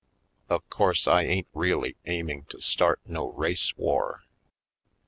Of course I ain't really aiming to start no race war.